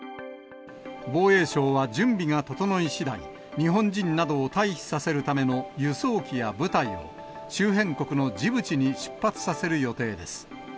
防衛省は準備が整いしだい、日本人などを退避させるための輸送機や部隊を、周辺国のジブチに出発させる予定です。